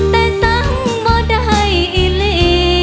แต่สังบ่ได้อิลี